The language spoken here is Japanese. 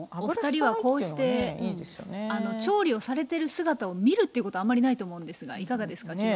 お二人はこうして調理をされてる姿を見るということあんまりないと思うんですがいかがですか？